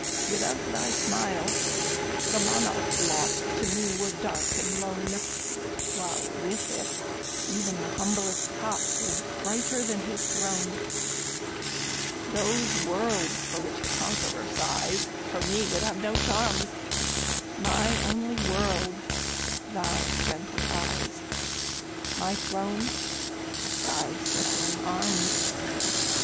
Without thy smile, the monarch's lot To me were dark and lone, While, with it, even the humblest cot Were brighter than his throne. Those worlds for which the conqueror sighs For me would have no charms; My only world thy gentle eyes My throne thy circling arms!